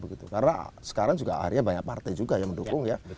karena sekarang juga akhirnya banyak partai juga yang mendukung ya